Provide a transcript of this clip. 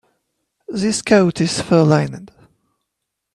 This coat is fur-lined.